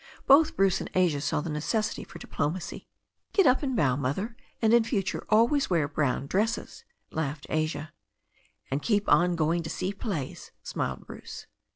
Both Bruce and Asia saw the necessity for di plomacy. "Get up and bow, Mother, and in future always wear brown dresses," laughed Asia, 'And keep on going to see plays," smiled Bruce.